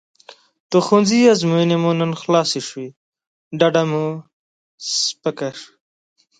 د ښوونځي ازموینې مو نن خلاصې شوې ډډه مې سپکه شوه.